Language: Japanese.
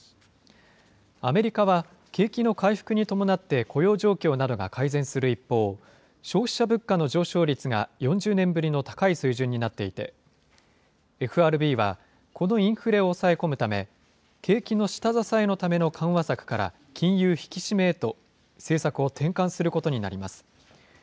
アメリカは、景気の回復に伴って雇用状況などが改善する一方、消費者物価の上昇率が４０年ぶりの高い水準になっていて、ＦＲＢはこのインフレを抑え込むため、景気の下支えのための緩和策から金融引き締めへと、政策を転換することになります。